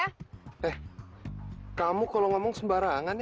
eh kamu kalau ngomong sembarangan